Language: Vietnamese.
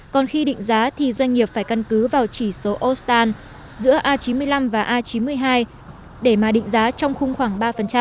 còn khi định giá thì doanh nghiệp phải căn cứ vào chỉ số ostan giữa a chín mươi năm và a chín mươi hai để mà định giá trong khung khoảng ba